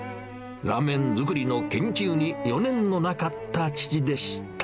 ラーメン作りの研究に余念のなかった父でした。